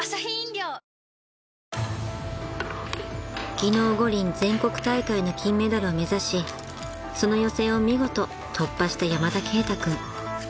［技能五輪全国大会の金メダルを目指しその予選を見事突破した山田渓太君］